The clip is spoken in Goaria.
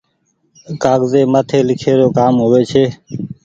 ڪآگزي مآٿي لکي رو ڪآم هووي ڇي۔